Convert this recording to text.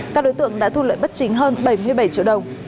các đối tượng đã thu lợi bất chính hơn bảy mươi bảy triệu đồng